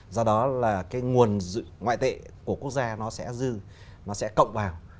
do đó là cái nguồn ngoại tệ của quốc gia nó sẽ dư nó sẽ cộng vào